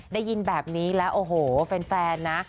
ได้ยินแบบนี้แล้วโอ้โหแฟนนะ